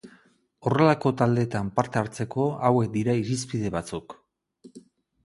Horrelako taldeetan parte hartzeko hauek dira irizpide batzuk.